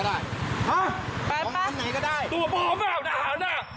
ไม่ไปไม่ต้องไปถือสารขอโทษ